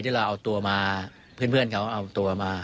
เราเอาตัวมาเพื่อนเขาเอาตัวมา